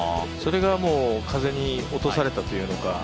それが風に落とされたというのか